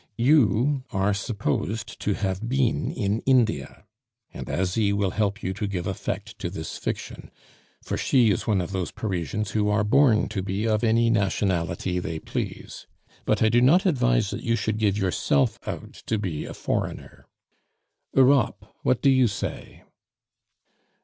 "You are to be supposed to have been in India, and Asie will help you to give effect to this fiction, for she is one of those Parisians who are born to be of any nationality they please. But I do not advise that you should give yourself out to be a foreigner. Europe, what do you say?"